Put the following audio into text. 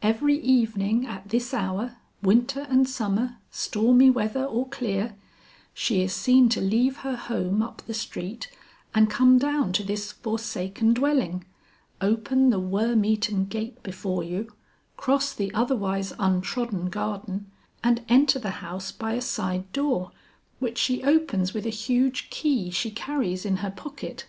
"Every evening at this hour, winter and summer, stormy weather or clear, she is seen to leave her home up the street and come down to this forsaken dwelling, open the worm eaten gate before you, cross the otherwise untrodden garden and enter the house by a side door which she opens with a huge key she carries in her pocket.